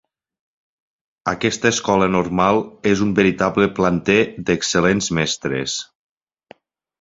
Aquesta escola normal és un veritable planter d'excel·lents mestres.